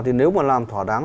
thì nếu mà làm thỏa đáng